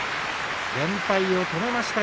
連敗を止めました。